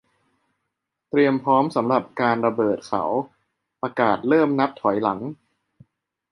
เตรียมพร้อมสำหรับการระเบิดเขาประกาศและเริ่มนับถอยหลัง